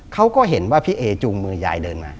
เขาก็เห็นว่าพี่เอจูงมือยายเดินมา